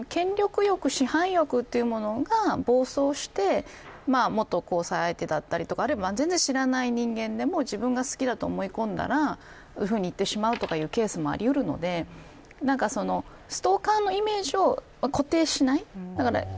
だから権力欲、支配欲というものが暴走して元交際相手だったり全然知らない人間でも自分が好きだと思い込んだらいってしまうケースもあり得るのでストーカーのイメージを固定しない。